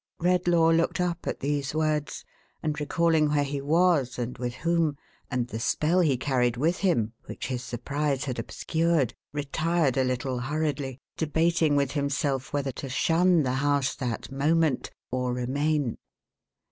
Redlaw looked up, at these words, and, recalling where he was and with whom, and the spell he earned with him — which his surprise had obscured — retired a little, hurriedly, debating with himself whether to shun the house that moment, or remain.